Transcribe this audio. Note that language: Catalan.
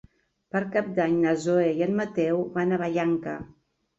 Per Cap d'Any na Zoè i en Mateu van a Vallanca.